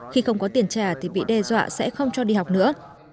khi không có tiền trả thì bị đe dọa sẽ không cho đi học nữa